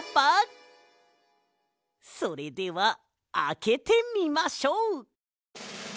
それではあけてみましょう！